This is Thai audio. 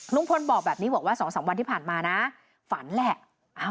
ลุงพลบอกแบบนี้บอกว่า๒๓วันที่ผ่านมานะฝันแหละ